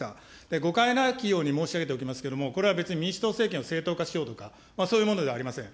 誤解なきよう申し上げておきますけれども、これは別に民主党政権を正当化しようとか、そういうものではありません。